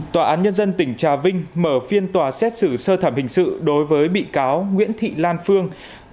tòa án nhân dân tỉnh trà vinh mở phiên tòa xét xử sơ thẩm hình sự đối với bị cáo nguyễn thị lan phương